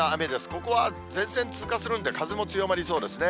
ここは前線通過するんで、風も強まりそうですね。